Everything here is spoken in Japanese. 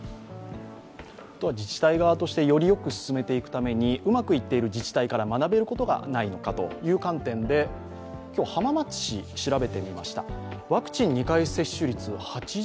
自治体側としてよりよく進めるためにうまくいっている自治体から学べることがないのかという観点で、浜松市を調べてみました。